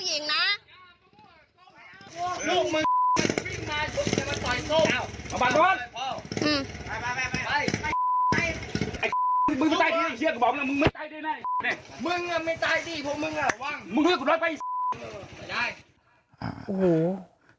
อย่าทำแม่นะอย่าทำผู้หญิงนะอย่าทำผู้หญิงนะ